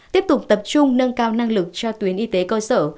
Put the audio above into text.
tiếp tục tập trung nâng cao năng lực cho tuyến y tế cơ sở